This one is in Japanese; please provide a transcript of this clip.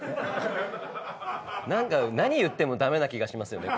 何か何言っても駄目な気がしますよね。